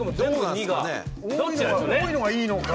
多いのがいいのか。